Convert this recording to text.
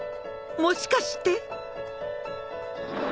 もしかして？